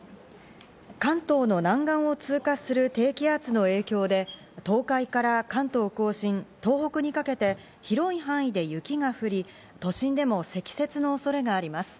関東の南岸を通過する低気圧の影響で、東海から関東甲信、東北にかけて広い範囲で雪が降り、都心でも積雪の恐れがあります。